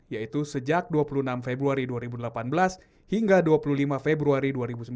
yaitu sejak dua puluh enam februari dua ribu delapan belas hingga dua puluh lima februari dua ribu sembilan belas